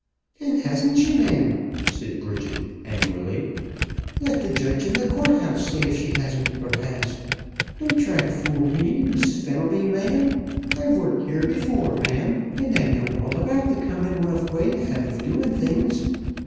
"And hasn't she, ma'am?" said Bridget angrily. "Let th' judge in th' court house say if she has or hasn't! Don't try t' fool me, Missus Fenelby, ma'am. I've worked here before, ma'am, an' I know all about th' Commonwealth way ye have of doin' things.